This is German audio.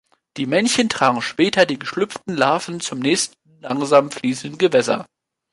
Die Männchen tragen später die geschlüpften Larven zum nächsten langsam fließenden Gewässer.